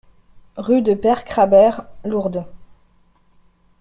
Rue de Peyre Crabère, Lourdes